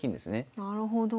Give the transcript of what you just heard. なるほど。